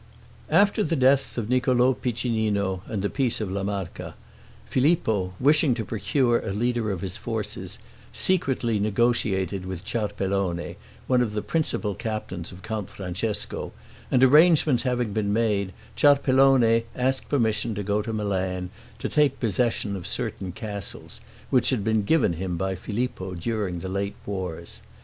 After the death of Niccolo Piccinino and the peace of La Marca, Filippo wishing to procure a leader of his forces, secretly negotiated with Ciarpellone, one of the principal captains of Count Francesco, and arrangements having been made, Ciarpellone asked permission to go to Milan to take possession of certain castles which had been given him by Filippo during the late wars.